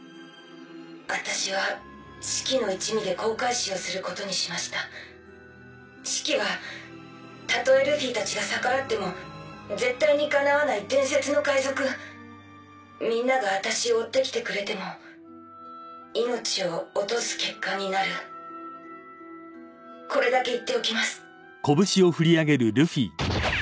私はシキの一味で航海士をすることにしましたシキはたとえルフィたちが逆らっても絶対に敵わない伝説の海賊みんなが私を追ってきてくれても命を落とす結果になるこれだけ言っておきます